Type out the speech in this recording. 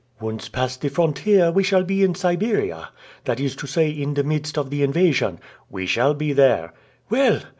"Once past the frontier, we shall be in Siberia, that is to say in the midst of the invasion." "We shall be there." "Well!